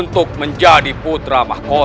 untuk menjadi putra mahkota